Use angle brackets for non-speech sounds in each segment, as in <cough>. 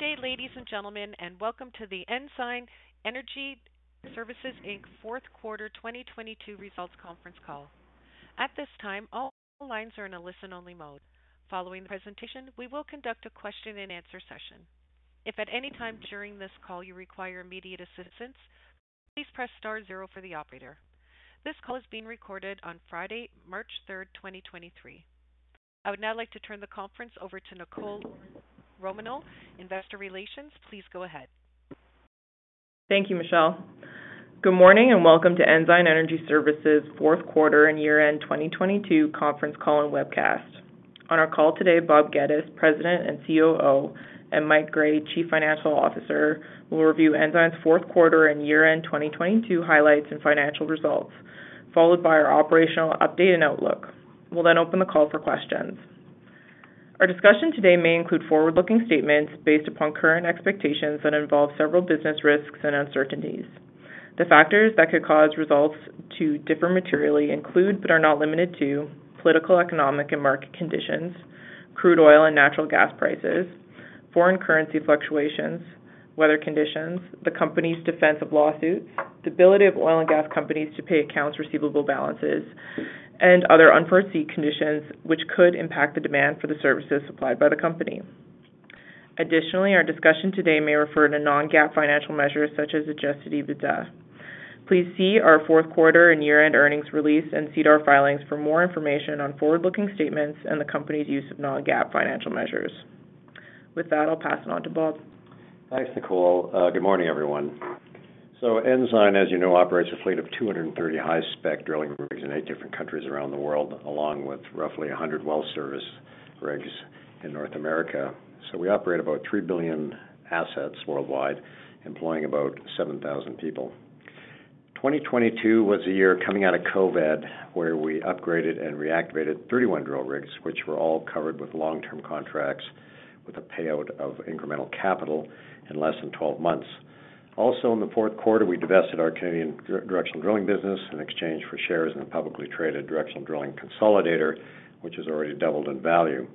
Good day, ladies and gentlemen, welcome to the Ensign Energy Services Inc Q4 2022 results conference call. At this time, all lines are in a listen-only mode. Following the presentation, we will conduct a question-and-answer session. If at any time during this call you require immediate assistance, please press star zero for the operator. This call is being recorded on Friday, March 3rd 2023. I would now like to turn the conference over to Nicole Romanow, Investor Relations. Please go ahead. Thank you, Michelle. Good morning and welcome to Ensign Energy Services Q4 and year-end 2022 conference call and webcast. On our call today, Bob Geddes, President and COO, and Mike Gray, Chief Financial Officer, will review Ensign's Q4 and year-end 2022 highlights and financial results, followed by our operational update and outlook. We'll open the call for questions. Our discussion today may include forward-looking statements based upon current expectations that involve several business risks and uncertainties. The factors that could cause results to differ materially include, but are not limited to, political, economic, and market conditions, crude oil and natural gas prices, foreign currency fluctuations, weather conditions, the company's defense of lawsuits, the ability of oil and gas companies to pay accounts receivable balances, and other unforeseen conditions which could impact the demand for the services supplied by the company. Additionally, our discussion today may refer to non-GAAP financial measures such as adjusted EBITDA. Please see our Q4 and year-end earnings release and SEDAR filings for more information on forward-looking statements and the company's use of non-GAAP financial measures. With that, I'll pass it on to Bob. Thanks, Nicole. Good morning, everyone. Ensign, as you know, operates a fleet of 230 high-spec drilling rigs in eight different countries around the world, along with roughly 100 well service rigs in North America. We operate about 3 billion assets worldwide, employing about 7,000 people. 2022 was a year coming out of COVID, where we upgraded and reactivated 31 drill rigs, which were all covered with long-term contracts with a payout of incremental capital in less than 12 months. Also, in the Q4, we divested our Canadian directional drilling business in exchange for shares in a publicly traded directional drilling consolidator, which has already doubled in value.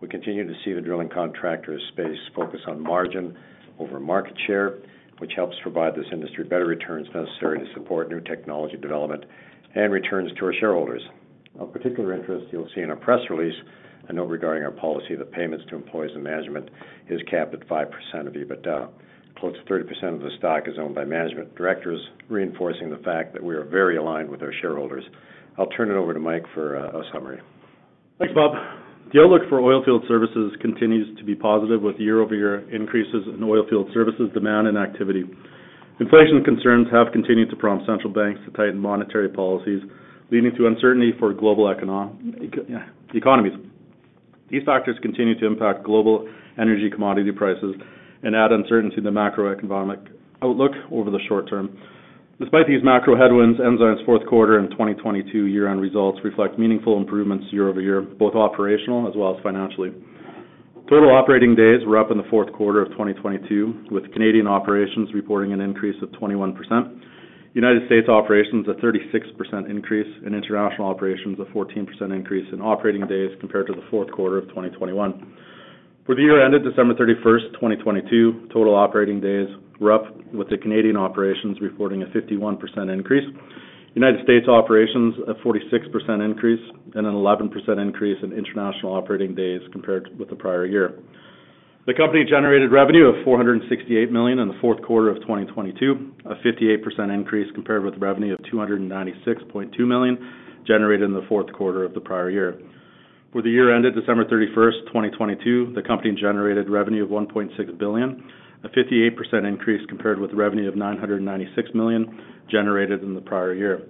We continue to see the drilling contractors space focus on margin over market share, which helps provide this industry better returns necessary to support new technology development and returns to our shareholders. Of particular interest, you'll see in our press release a note regarding our policy that payments to employees and management is capped at 5% of EBITDA. Close to 30% of the stock is owned by management directors, reinforcing the fact that we are very aligned with our shareholders. I'll turn it over to Mike for a summary. Thanks, Bob. The outlook for oilfield services continues to be positive, with year-over-year increases in oilfield services demand and activity. Inflation concerns have continued to prompt central banks to tighten monetary policies, leading to uncertainty for global economies. These factors continue to impact global energy commodity prices and add uncertainty to the macroeconomic outlook over the short term. Despite these macro headwinds, Ensign's Q4 and 2022 year-end results reflect meaningful improvements year-over-year, both operational as well as financially. Total operating days were up in the Q4 of 2022, with Canadian operations reporting an increase of 21%, United States operations a 36% increase, and international operations a 14% increase in operating days compared to the Q4 of 2021. For the year ended December 31st 2022, total operating days were up, with the Canadian operations reporting a 51% increase, United States operations a 46% increase, and an 11% increase in international operating days compared with the prior year. The company generated revenue of 468 million in the Q4 of 2022, a 58% increase compared with revenue of 296.2 million generated in the Q4 of the prior year. For the year ended December 31st 2022, the company generated revenue of 1.6 billion, a 58% increase compared with revenue of 996 million generated in the prior year.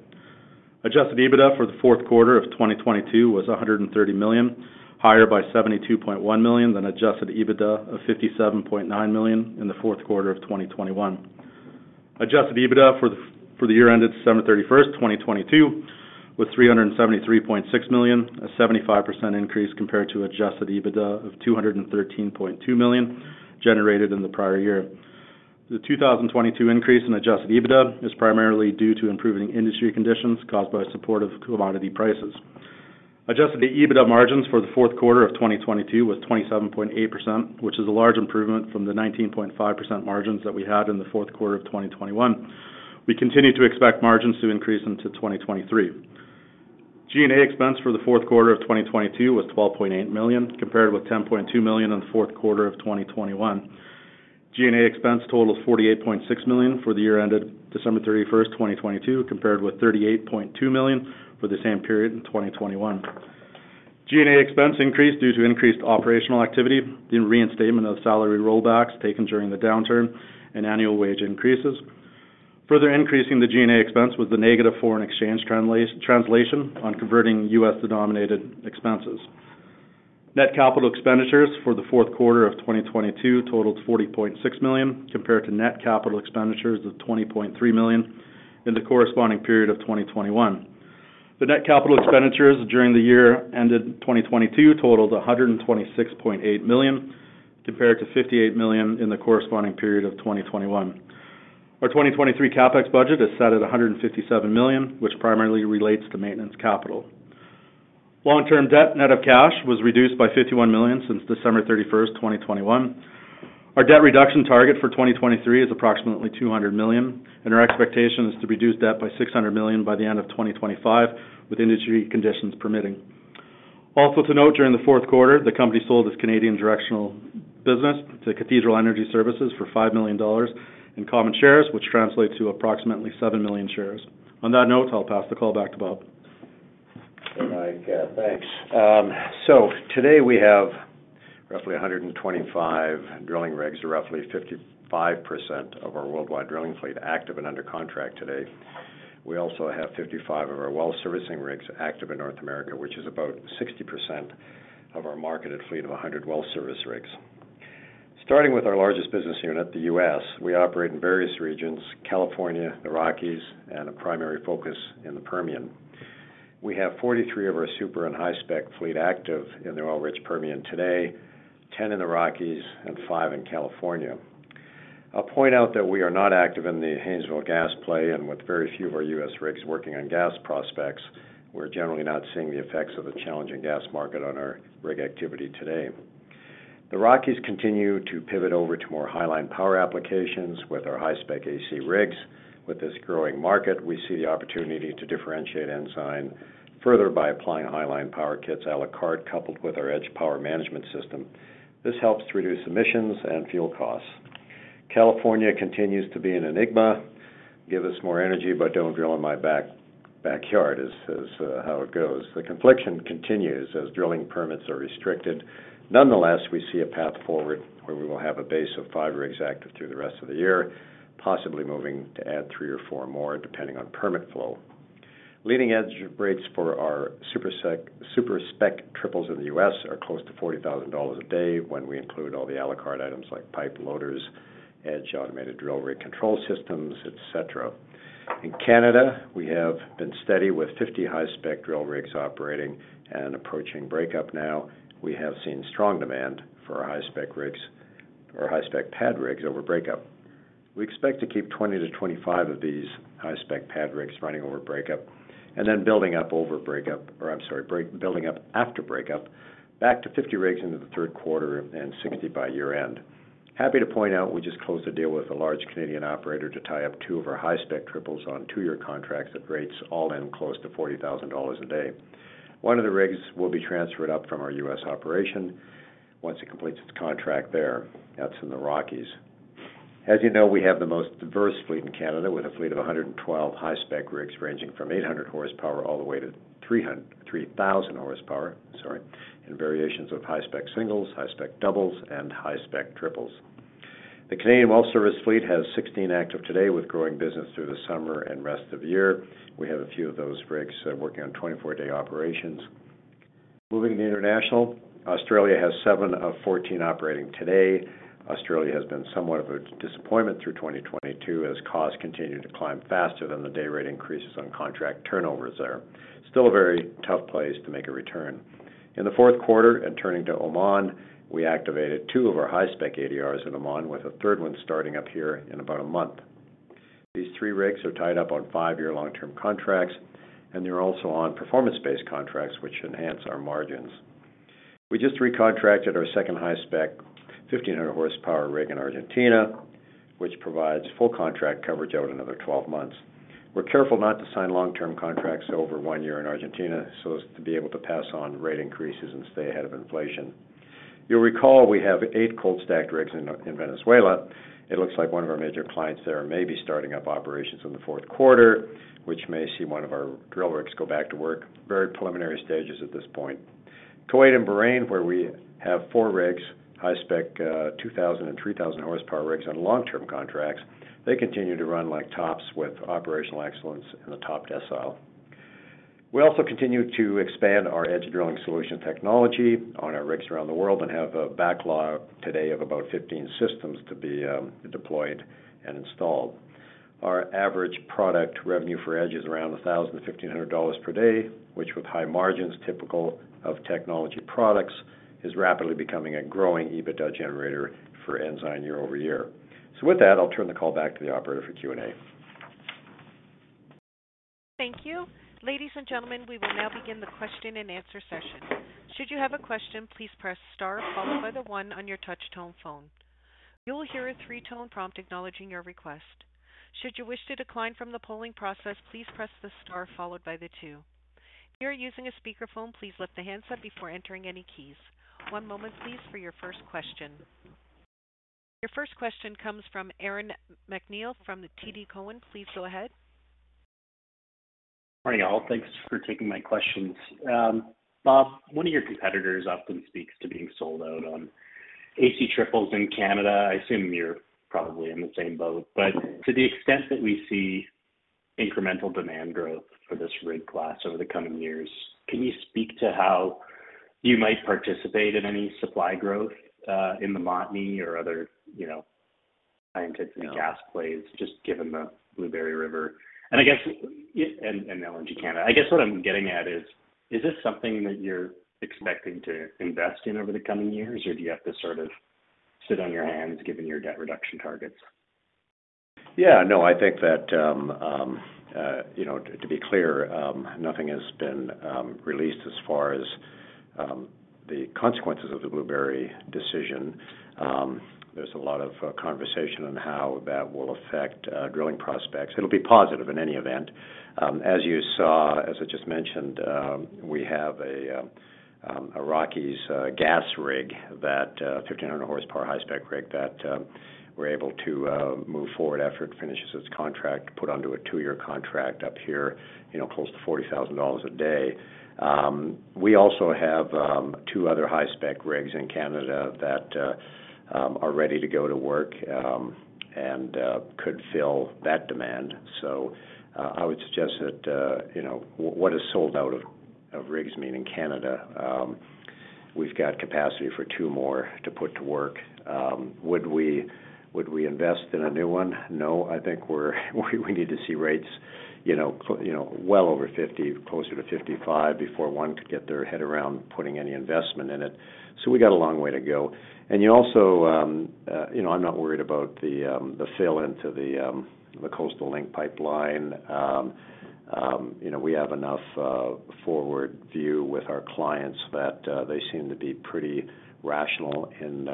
Adjusted EBITDA for the Q4 of 2022 was 130 million, higher by 72.1 million than adjusted EBITDA of 57.9 million in the Q4 of 2021. Adjusted EBITDA for the year ended December 31st 2022, was 373.6 million, a 75% increase compared to adjusted EBITDA of 213.2 million generated in the prior year. The 2022 increase in adjusted EBITDA is primarily due to improving industry conditions caused by supportive commodity prices. Adjusted EBITDA margins for the Q4 of 2022 was 27.8%, which is a large improvement from the 19.5% margins that we had in the Q4 of 2021. We continue to expect margins to increase into 2023. G&A expense for the Q4 of 2022 was 12.8 million, compared with 10.2 million in the Q4 of 2021. G&A expense totaled 48.6 million for the year ended December 31st 2022, compared with 38.2 million for the same period in 2021. G&A expense increased due to increased operational activity, the reinstatement of salary rollbacks taken during the downturn and annual wage increases. Further increasing the G&A expense was the negative foreign exchange translation on converting U.S.-denominated expenses. Net capital expenditures for the Q4 of 2022 totaled 40.6 million, compared to net capital expenditures of 20.3 million in the corresponding period of 2021. The net capital expenditures during the year ended 2022 totaled 126.8 million, compared to 58 million in the corresponding period of 2021. Our 2023 CapEx budget is set at 157 million, which primarily relates to maintenance capital. Long-term debt net of cash was reduced by 51 million since December 31 2021. Our debt reduction target for 2023 is approximately 200 million, and our expectation is to reduce debt by 600 million by the end of 2025 with industry conditions permitting. Also to note, during the Q4, the company sold its Canadian directional business to Cathedral Energy Services for 5 million dollars in common shares, which translates to approximately 7,000,000 Shares. On that note, I'll pass the call back to Bob. Mike, thanks. Today we have roughly 125 drilling rigs to roughly 55% of our worldwide drilling fleet active and under contract today. We also have 55 of our well servicing rigs active in North America, which is about 60% of our marketed fleet of 100 well service rigs. Starting with our largest business unit, the U.S., we operate in various regions, California, the Rockies, and a primary focus in the Permian. We have 43 of our super and high-spec fleet active in the oil-rich Permian today, 10 in the Rockies, and five in California. I'll point out that we are not active in the Haynesville gas play, and with very few of our U.S. rigs working on gas prospects, we're generally not seeing the effects of the challenging gas market on our rig activity today. The Rockies continue to pivot over to more highline power applications with our high-spec AC rigs. With this growing market, we see the opportunity to differentiate Ensign further by applying highline power kits à la carte, coupled with our EDGE power management system. This helps to reduce emissions and fuel costs. California continues to be an enigma. Give us more energy. Don't drill in my backyard is how it goes. The confliction continues as drilling permits are restricted. Nonetheless, we see a path forward where we will have a base of five rigs active through the rest of the year, possibly moving to add three or four more depending on permit flow. Leading-edge rates for our super-spec triples in the U.S. are close to $40,000 a day when we include all the à la carte items like pipe loaders, EDGE AUTOPILOT drilling rig control system, et cetera. In Canada, we have been steady with 50 high-spec drill rigs operating and approaching breakup now. We have seen strong demand for our high-spec rigs or high-spec pad rigs over breakup. We expect to keep 20-25 of these high-spec pad rigs running over breakup then building up after breakup back to 50 rigs into the third quarter and 60 by year-end. Happy to point out we just closed a deal with a large Canadian operator to tie up two of our high-spec triples on two year contracts at rates all in close to $40,000 a day. One of the rigs will be transferred up from our U.S. operation once it completes its contract there. That's in the Rockies. As you know, we have the most diverse fleet in Canada with a fleet of 112 high-spec rigs ranging from 800 horsepower all the way to 3,000 horsepower, sorry, in variations of high-spec singles, high-spec doubles, and high-spec triples. The Canadian well service fleet has 16 active today with growing business through the summer and rest of year. We have a few of those rigs working on 24 day operations. Moving to international. Australia has seven of 14 operating today. Australia has been somewhat of a disappointment through 2022 as costs continue to climb faster than the day rate increases on contract turnovers there. Still a very tough place to make a return. In the Q4, turning to Oman, we activated two of our high-spec ADRs in Oman, with a third one starting up here in about a month. These three rigs are tied up on five year long-term contracts, and they're also on performance-based contracts, which enhance our margins. We just recontracted our second high-spec 1,500 horsepower rig in Argentina, which provides full contract coverage out another 12 months. We're careful not to sign long-term contracts over 1 year in Argentina so as to be able to pass on rate increases and stay ahead of inflation. You'll recall we have eight cold-stacked rigs in Venezuela. It looks like one of our major clients there may be starting up operations in the Q4, which may see one of our drill rigs go back to work. Very preliminary stages at this point. Kuwait and Bahrain, where we have four rigs, high-spec, 2,000 and 3,000 horsepower rigs on long-term contracts, they continue to run like tops with operational excellence in the top decile. We also continue to expand our EDGE drilling solution technology on our rigs around the world and have a backlog today of about 15 systems to be deployed and installed. Our average product revenue for EDGE is around 1,000 to 1,500 dollars per day, which with high margins typical of technology products, is rapidly becoming a growing EBITDA generator for Ensign year-over-year. With that, I'll turn the call back to the operator for Q&A. Thank you. Ladies and gentlemen, we will now begin the question-and-answer session. Should you have a question, please press star followed by the one on your touch-tone phone. You will hear a three tone prompt acknowledging your request. Should you wish to decline from the polling process, please press the star followed by the two. If you are using a speakerphone, please lift the handset before entering any keys. One moment, please, for your first question. Your first question comes from Aaron MacNeil from TD Cowen. Please go ahead. Morning, all. Thanks for taking my questions. Bob, one of your competitors often speaks to being sold out on AC triples in Canada. I assume you're probably in the same boat. To the extent that we see incremental demand growth for this rig class over the coming years, can you speak to how you might participate in any supply growth, in the Montney or other, you know, shale gas plays, just given the Blueberry River? LNG Canada. I guess what I'm getting at is this something that you're expecting to invest in over the coming years, or do you have to sort of sit on your hands given your debt reduction targets? Yeah, no, I think that, you know, to be clear, nothing has been released as far as the consequences of the Blueberry decision. There's a lot of conversation on how that will affect drilling prospects. It'll be positive in any event. As you saw, as I just mentioned, we have a Rockies gas rig that 1,500 horsepower high-spec rig that we're able to move forward after it finishes its contract, put onto a two year contract up here, you know, close to 40,000 dollars a day. We also have two other high-spec rigs in Canada that are ready to go to work and could fill that demand. I would suggest that, you know, what is sold out of rigs mean in Canada, we've got capacity for two more to put to work. Would we invest in a new one? No, I think we need to see rates, you know, well over 50, closer to 55 before one could get their head around putting any investment in it. We got a long way to go. You also, you know, I'm not worried about the fill into the Coastal GasLink Pipeline. You know, we have enough forward view with our clients that they seem to be pretty rational in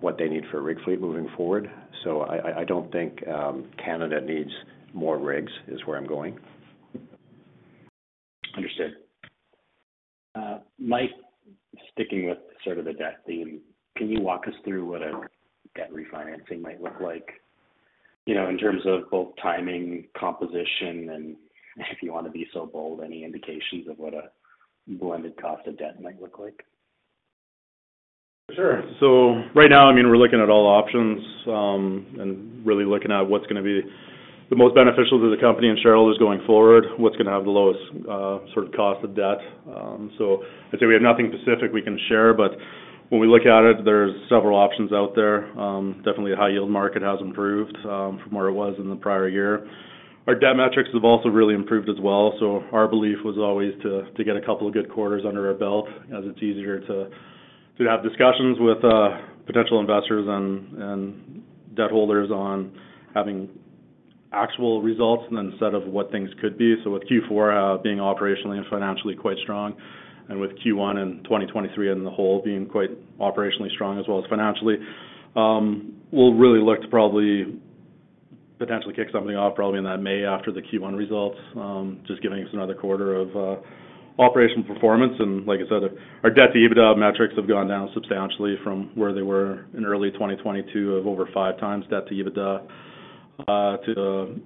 what they need for a rig fleet moving forward. I don't think Canada needs more rigs, is where I'm going. Understood. Mike, sticking with sort of the debt theme, can you walk us through what a debt refinancing might look like, you know, in terms of both timing, composition, and if you wanna be so bold, any indications of what a blended cost of debt might look like? Sure. Right now, I mean, we're looking at all options, and really looking at what's gonna be the most beneficial to the company and shareholders going forward, what's gonna have the lowest sort of cost of debt. I'd say we have nothing specific we can share, but when we look at it, there's several options out there. Definitely a high-yield market has improved from where it was in the prior year. Our debt metrics have also really improved as well. Our belief was always to get a couple of good quarters under our belt as it's easier to have discussions with potential investors and debt holders on having actual results and then instead of what things could be. With Q4 being operationally and financially quite strong, and with Q1 in 2023 and the whole being quite operationally strong as well as financially, we'll really look to probably potentially kick something off probably in that May after the Q1 results, just giving us another quarter of operation performance. Like I said, our debt-to-EBITDA metrics have gone down substantially from where they were in early 2022 of over 5x debt-to-EBITDA, to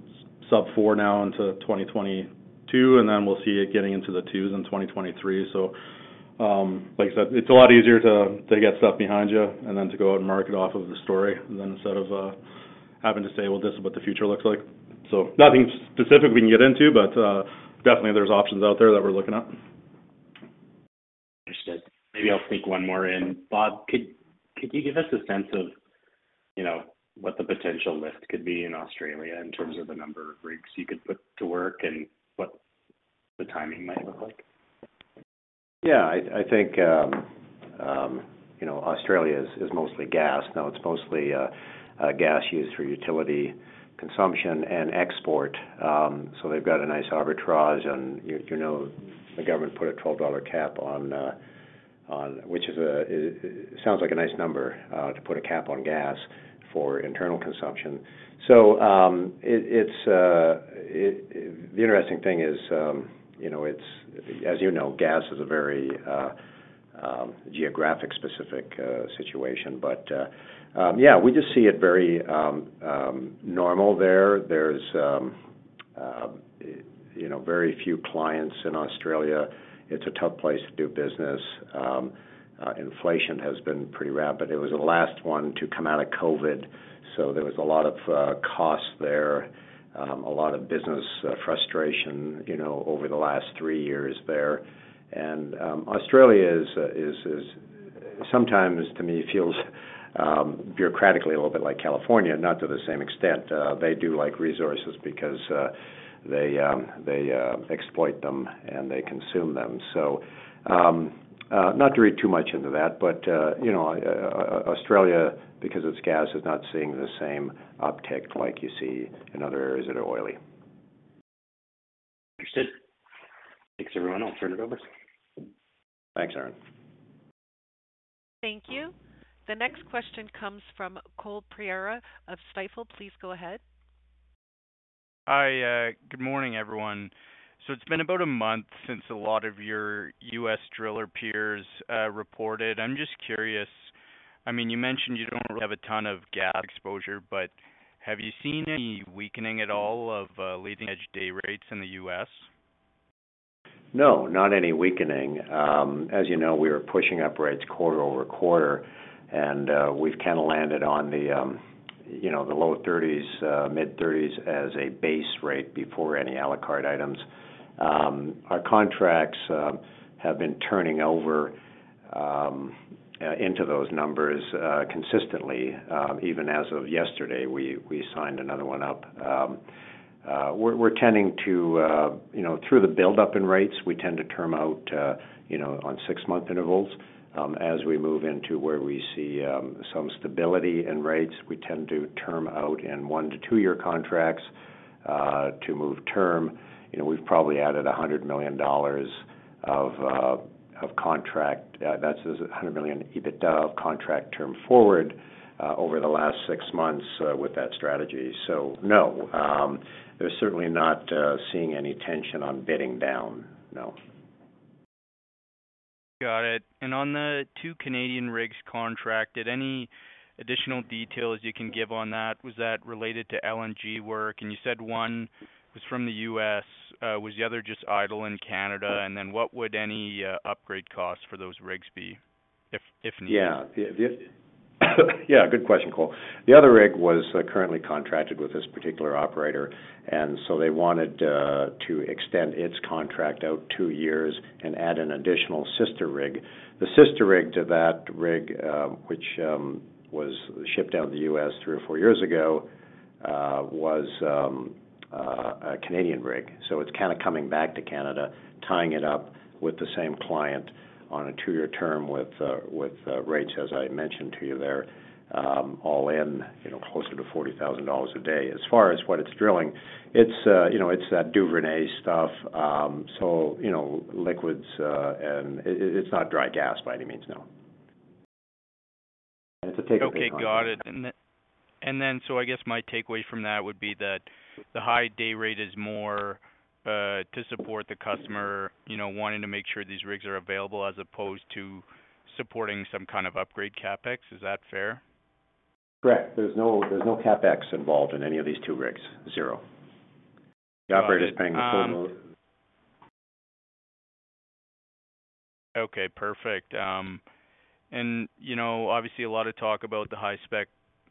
sub 4 now into 2022, and then we'll see it getting into the 2s in 2023.Like I said, it's a lot easier to get stuff behind you and then to go out and market off of the story than instead of having to say, "Well, this is what the future looks like." Nothing specific we can get into, but definitely there's options out there that we're looking at. Understood. Maybe I'll sneak one more in. Bob, could you give us a sense of, you know, what the potential lift could be in Australia in terms of the number of rigs you could put to work and what the timing might look like? Yeah. I think, you know, Australia is mostly gas. Now, it's mostly gas used for utility consumption and export. They've got a nice arbitrage and you know, the government put a 12 dollar cap on which sounds like a nice number to put a cap on gas for internal consumption. The interesting thing is, you know, as you know, gas is a very geographic specific situation. Yeah, we just see it very normal there. There's, you know, very few clients in Australia. It's a tough place to do business. Inflation has been pretty rapid. It was the last one to come out of COVID, so there was a lot of costs there, a lot of business frustration, you know, over the last three years there. Australia is sometimes, to me, feels bureaucratically a little bit like California, not to the same extent. They do like resources because they exploit them and they consume them. Not to read too much into that, but, you know, Australia, because it's gas, is not seeing the same uptick like you see in other areas that are oily. Understood. Thanks, everyone. I'll turn it over. Thanks, Aaron. Thank you. The next question comes from Cole Pereira of Stifel. Please go ahead. Hi. Good morning, everyone. It's been about a month since a lot of your U.S. driller peers reported. I'm just curious, I mean, you mentioned you don't really have a ton of gas exposure, but have you seen any weakening at all of leading-edge day rates in the U.S.? No, not any weakening. As you know, we are pushing up rates quarter-over-quarter, we've kinda landed on the, you know, low 30s, mid-30s as a base rate before any à la carte items. Our contracts have been turning over into those numbers consistently. Even as of yesterday, we signed another one up. We're tending to, you know, through the buildup in rates, we tend to term out, you know, on six month intervals. As we move into where we see some stability in rates, we tend to term out in one to two year contracts to move term. You know, we've probably added 100 million dollars of contract... That's 100 million EBITDA of contract term forward over the last six months with that strategy. No, they're certainly not seeing any tension on bidding down. No. Got it. On the two Canadian rigs contracted, any additional details you can give on that? Was that related to LNG work? You said one was from the U.S., was the other just idle in Canada? What would any upgrade costs for those rigs be if needed? Yeah, good question, Cole. The other rig was currently contracted with this particular operator. They wanted to extend its contract out two years and add an additional sister rig. The sister rig to that rig, which was shipped out in the U.S. three or four years ago, was a Canadian rig. It's kinda coming back to Canada, tying it up with the same client on a two year term with rates, as I mentioned to you there, you know, closer to $40,000 a day. As far as what it's drilling, it's, you know, it's that Duvernay stuff, so, you know, liquids, and it's not dry gas by any means, no. It's a take-or-pay <crosstalk> contract. Okay, got it. I guess my takeaway from that would be that the high day rate is more to support the customer, you know, wanting to make sure these rigs are available as opposed to supporting some kind of upgrade CapEx. Is that fair? Correct. There's no CapEx involved in any of these two rigs. Zero. Got it. <crosstalk> The operator is paying the full. <crosstalk> Okay, perfect. You know, obviously a lot of talk about the high-spec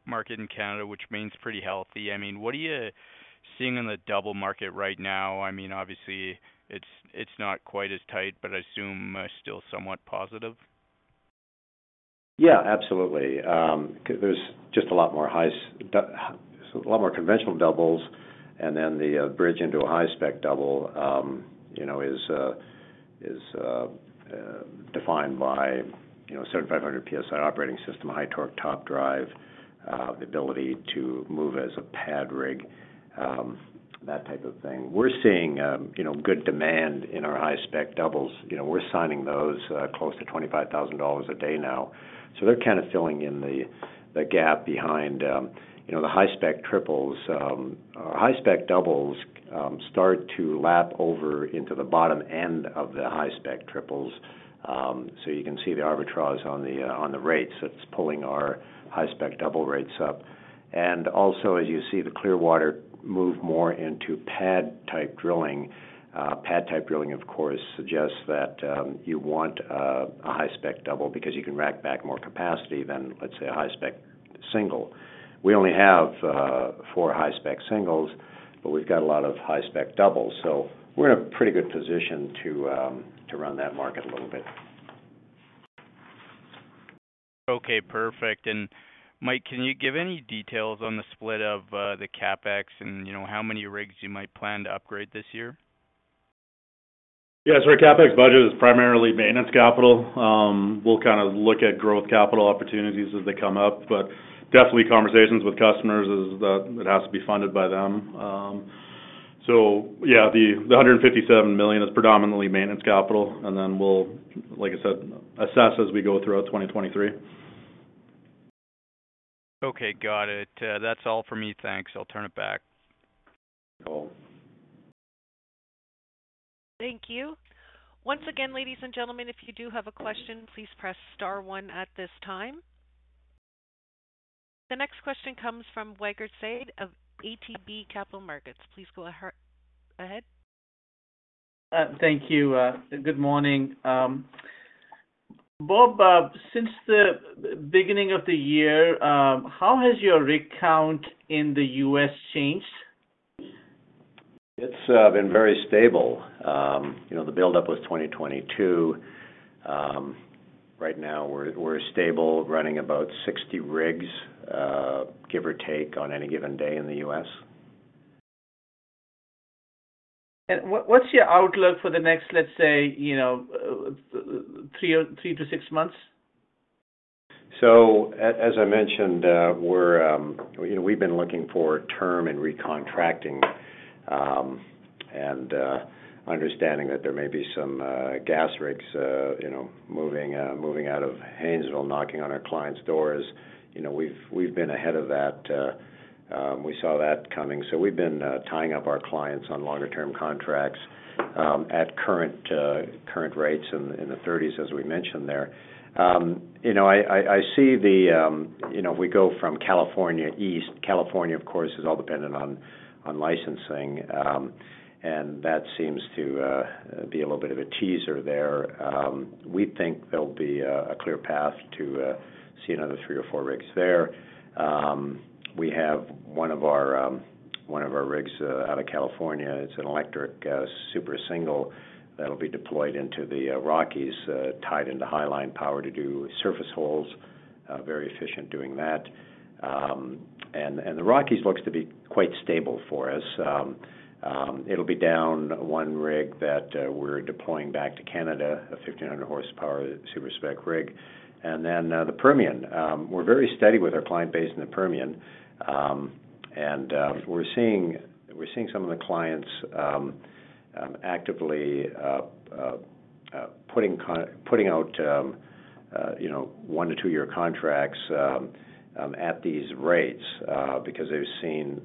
market in Canada, which means pretty healthy. I mean, what are you seeing in the double market right now? I mean, obviously it's not quite as tight, I assume still somewhat positive. Yeah, absolutely. There's just a lot more conventional doubles, and then the bridge into a high-spec double, you know, is defined by, you know, certain 500 PSI operating system, high-torque top drive, the ability to move as a pad rig, that type of thing. We're seeing, you know, good demand in our high-spec doubles. You know, we're signing those close to 25,000 dollars a day now. They're kind of filling in the gap behind, you know, the high-spec triples. Our high-spec doubles start to lap over into the bottom end of the high-spec triples. You can see the arbitrage on the rates. It's pulling our high-spec double rates up. As you see the Clearwater move more into pad-type drilling, pad-type drilling of course suggests that you want a high-spec double because you can rack back more capacity than, let's say, a high-spec single. We only have four high-spec singles, but we've got a lot of high-spec doubles. We're in a pretty good position to run that market a little bit. Okay, perfect. Mike, can you give any details on the split of the CapEx and, you know, how many rigs you might plan to upgrade this year? Yeah, sorry. CapEx budget is primarily maintenance capital. We'll kind of look at growth capital opportunities as they come up. Definitely conversations with customers is that it has to be funded by them. Yeah, the 157 million is predominantly maintenance capital. We'll, like I said, assess as we go throughout 2023. Okay, got it. That's all for me. Thanks. I'll turn it back. Cool. Thank you. Once again, ladies and gentlemen, if you do have a question, please press star one at this time. The next question comes from Waqar Syed of ATB Capital Markets. Please go ahead. Thank you. Good morning. Bob, since the beginning of the year, how has your rig count in the U.S. changed? It's been very stable. You know, the buildup was 2022. Right now we're stable, running about 60 rigs, give or take, on any given day in the U.S. What's your outlook for the next, let's say, you know, three to six months? As I mentioned, you know, we've been looking for term and recontracting, and understanding that there may be some gas rigs, you know, moving out of Haynesville, knocking on our clients' doors. You know, we've been ahead of that. We saw that coming, so we've been tying up our clients on longer term contracts at current rates in the 30s, as we mentioned there. You know, I see the, you know, we go from California East. California, of course, is all dependent on licensing, and that seems to be a little bit of a teaser there. We think there'll be a clear path to see another three or four rigs there. We have one of our rigs out of California. It's an electric super single that'll be deployed into the Rockies, tied into Highline Power to do surface holes. Very efficient doing that. The Rockies looks to be quite stable for us. It'll be down one rig that we're deploying back to Canada, a 1,500 horsepower super-spec rig. The Permian, we're very steady with our client base in the Permian. We're seeing some of the clients actively putting out, you know, one to two year contracts at these rates because they've seen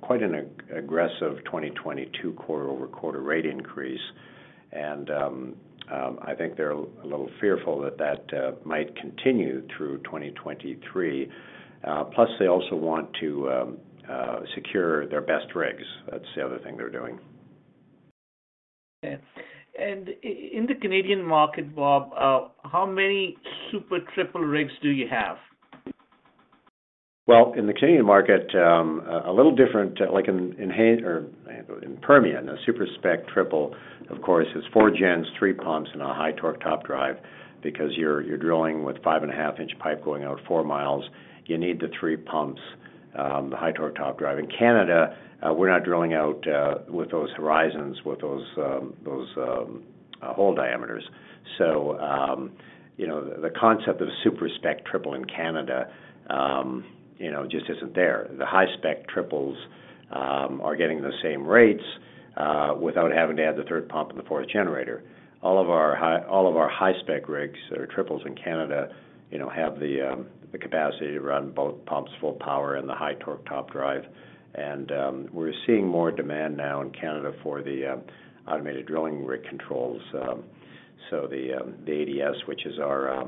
quite an aggressive 2022 quarter-over-quarter rate increase.I think they're a little fearful that might continue through 2023. They also want to secure their best rigs. That's the other thing they're doing. Okay. In the Canadian market, Bob, how many super triple rigs do you have? Well, in the Canadian market, a little different, like in Permian, a super-spec triple, of course, is four gens, three pumps, and a high-torque top drive because you're drilling with 5.5 inch pipe going out 4 mi. You need the three pumps, the high-torque top drive. In Canada, we're not drilling out with those horizons, with those hole diameters. You know, the concept of super-spec triple in Canada, you know, just isn't there. The high-spec triples are getting the same rates without having to add the third pump and the fourth generator. All of our high-spec rigs that are triples in Canada, you know, have the capacity to run both pumps full power and the high-torque top drive. We're seeing more demand now in Canada for the automated drilling rig controls. The ADS, which is our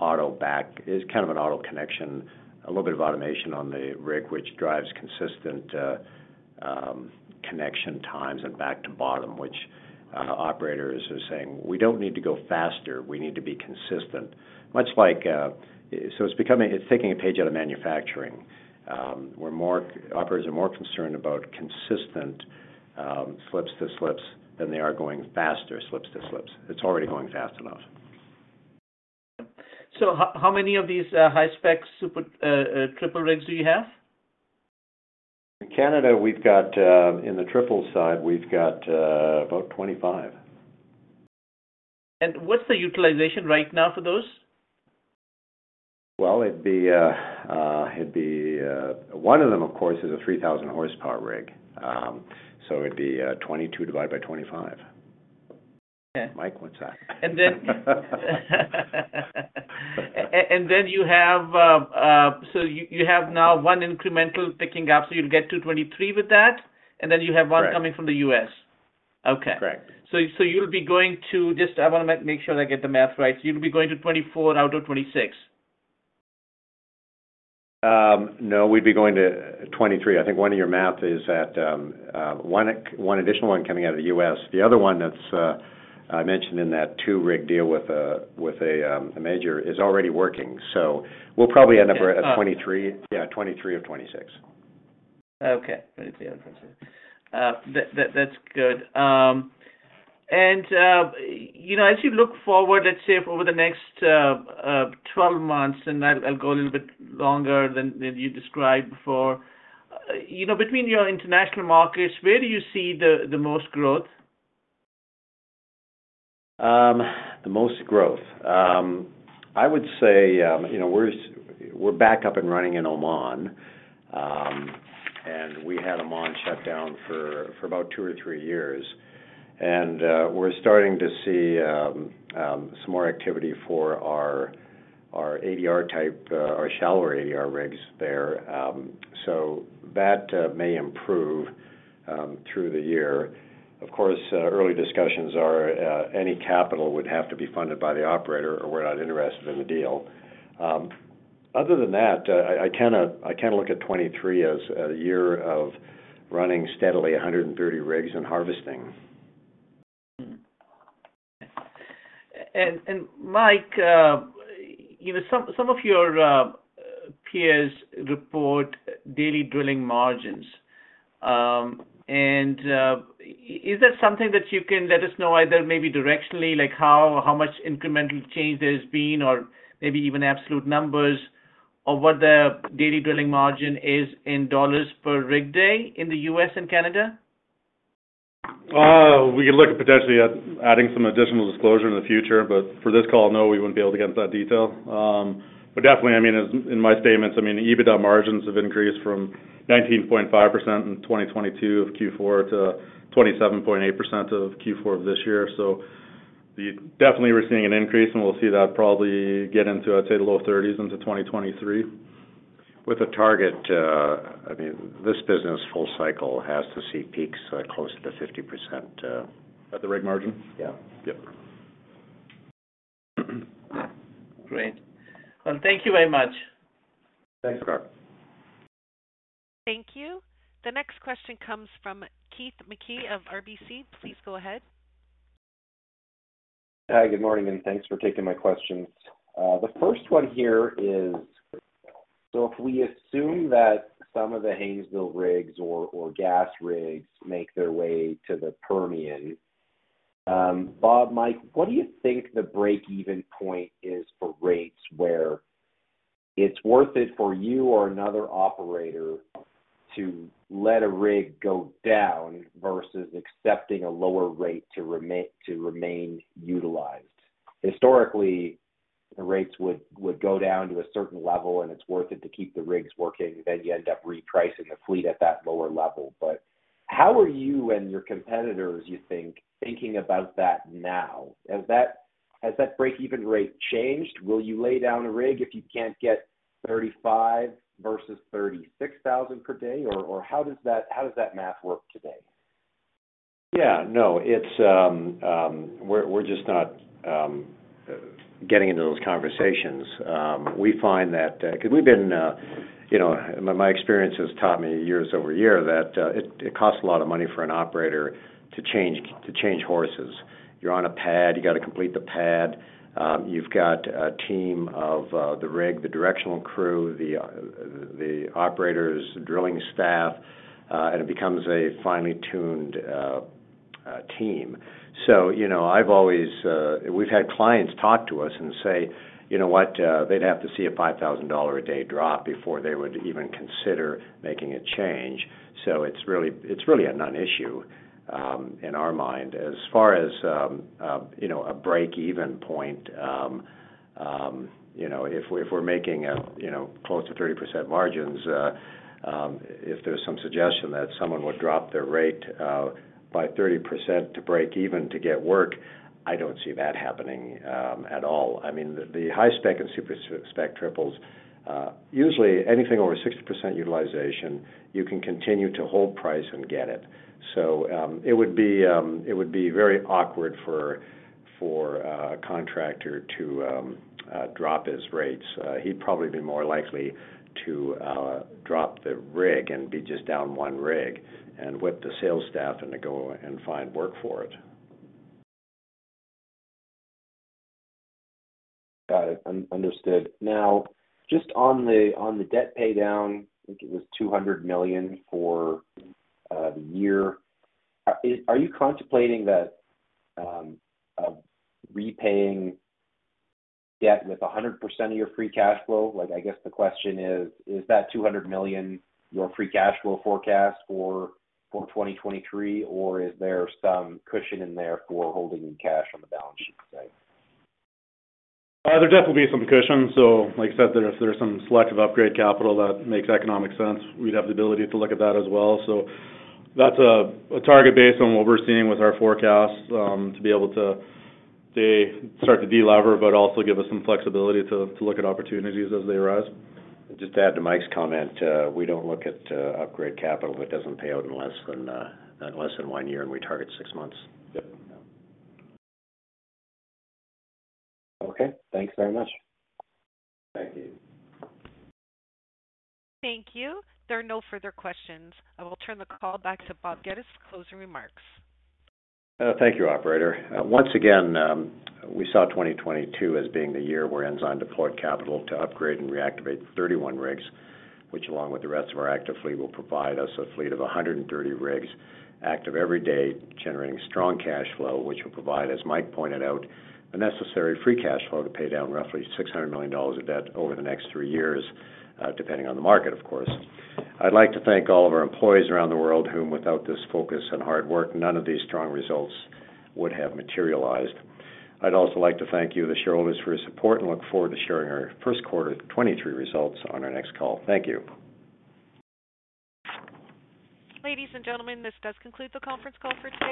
auto connection, a little bit of automation on the rig, which drives consistent connection times and back to bottom, which operators are saying, "We don't need to go faster, we need to be consistent." Much like, so it's taking a page out of manufacturing, where operators are more concerned about consistent slips-to-slips than they are going faster slips-to-slips. It's already going fast enough. How many of these high-spec super triple rigs do you have? In Canada, we've got, in the triple side, we've got, about 25. What's the utilization right now for those? Well, one of them, of course, is a 3,000 horsepower rig. It'd be 22 divided by 25. Okay. Mike, what's that? You have, so you have now one incremental picking up, so you'll get to 23 with that, and then you have one. <crosstalk> Correct. Coming from the U.S. Okay. Correct. Just I wanna make sure I get the math right. You'll be going to 24 out of 26. No, we'd be going to 23. I think one of your math is that one additional one coming out of the U.S. The other one that's I mentioned in that two rig deal with a major is already working. We'll probably end up at 23. Oh. Yeah, 23 of 26. Okay. Yeah. That's good. You know, as you look forward, let's say over the next 12 months, and I'll go a little bit longer than you described before. You know, between your international markets, where do you see the most growth? The most growth. I would say, you know, we're back up and running in Oman. We had Oman shut down for about two or three years. We're starting to see some more activity for our ADR type, our shallow ADR rigs there. That may improve through the year. Of course, early discussions are, any capital would have to be funded by the operator or we're not interested in the deal. Other than that, I kinda look at 2023 as a year of running steadily 130 rigs and harvesting. Mm-hmm. Mike, you know, some of your peers report daily drilling margins. Is there something that you can let us know, either maybe directionally, like how much incremental change there's been or maybe even absolute numbers of what the daily drilling margin is in dollars per rig day in the U.S. and Canada? We can look at potentially at adding some additional disclosure in the future, but for this call, no, we wouldn't be able to get into that detail. Definitely, I mean, as in my statements, I mean, EBITDA margins have increased from 19.5% in 2022 of Q4 to 27.8% of Q4 of this year. Definitely, we're seeing an increase, and we'll see that probably get into, I'd say, the low 30s into 2023. With a target, I mean, this business full cycle has to see peaks, close to the 50%. Of the rig margin? Yeah. Yep. Great. Well, thank you very much. Thanks, Waqar. Thank you. The next question comes from Keith Mackey of RBC. Please go ahead. Hi, good morning, and thanks for taking my questions. The first one here is, if we assume that some of the Haynesville rigs or gas rigs make their way to the Permian, Bob, Mike, what do you think the break-even point is for rates where it's worth it for you or another operator to let a rig go down versus accepting a lower rate to remain utilized? Historically, the rates would go down to a certain level, and it's worth it to keep the rigs working, then you end up repricing a fleet at that lower level. How are you and your competitors, you think, thinking about that now? Has that break-even rate changed? Will you lay down a rig if you can't get $35,000 versus $36,000 per day or how does that math work today? No, it's, we're just not getting into those conversations. We find that, you know, my experience has taught me year-over-year that it costs a lot of money for an operator to change horses. You're on a pad, you got to complete the pad. You've got a team of the rig, the directional crew, the operators, drilling staff, and it becomes a finely tuned team. You know, I've always, we've had clients talk to us and say, you know what, they'd have to see a $5,000 a day drop before they would even consider making a change. It's really a non-issue in our mind. As far as, you know, a break-even point, you know, if we're making a, you know, close to 30% margins, if there's some suggestion that someone would drop their rate, by 30% to break even to get work, I don't see that happening at all. I mean, the high-spec and super-spec triples, usually anything over 60% utilization, you can continue to hold price and get it. It would be very awkward for a contractor to drop his rates. He'd probably be more likely to drop the rig and be just down one rig and whip the sales staff and to go and find work for it. Got it. Understood. just on the debt pay down, I think it was $200 million for the year. Are you contemplating that repaying debt with 100% of your free cash flow? Like, I guess the question is that $200 million your free cash flow forecast for 2023? Is there some cushion in there for holding in cash on the balance sheet side? There definitely will be some cushion. Like I said, there's some selective upgrade capital that makes economic sense. We'd have the ability to look at that as well. That's a target based on what we're seeing with our forecasts, to be able to, say, start to delever, but also give us some flexibility to look at opportunities as they arise. Just to add to Mike's comment, we don't look at upgrade capital if it doesn't pay out in less than, in less than one year. We target six months. Okay, thanks very much. Thank you. Thank you. There are no further questions. I will turn the call back to Bob Geddes for closing remarks. Thank you, operator. Once again, we saw 2022 as being the year where Ensign deployed capital to upgrade and reactivate 31 rigs, which along with the rest of our active fleet, will provide us a fleet of 130 rigs active every day, generating strong cash flow, which will provide, as Mike pointed out, the necessary free cash flow to pay down roughly 600 million dollars of debt over the next three years, depending on the market, of course. I'd like to thank all of our employees around the world whom without this focus and hard work, none of these strong results would have materialized. I'd also like to thank you, the shareholders, for your support and look forward to sharing our 2023 results on our next call. Thank you. Ladies and gentlemen, this does conclude the conference call for today.